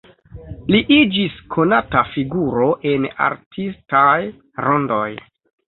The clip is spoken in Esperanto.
Li iĝis konata figuro en artistaj rondoj.